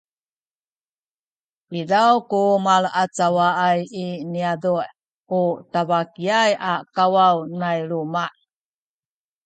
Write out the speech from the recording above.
izaw ku malaacawaay i niyazu’ u tabakiyay a kawaw nya luma’